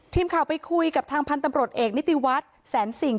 ทีมข่าวไปคุยกับทางพันธุ์ตำรวจเอกนิติวัฒน์แสนสิ่ง